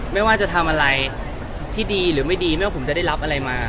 ไม่ว่าจะทำอะไรที่ดีหรือไม่ดีไม่ว่าผมจะได้รับอะไรมา